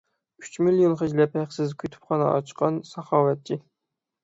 ئۈچ مىليون خەجلەپ ھەقسىز كۇتۇپخانا ئاچقان ساخاۋەتچى.